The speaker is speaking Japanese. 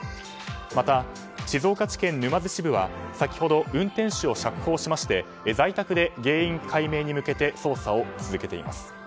また静岡地検沼津支部は先ほど運転手を釈放しまして在宅で原因解明に向けて捜査を続けています。